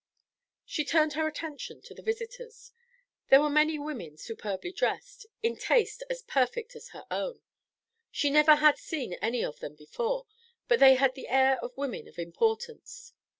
She turned her attention to the visitors. There were many women superbly dressed, in taste as perfect as her own. She never had seen any of them before, but they had the air of women of importance.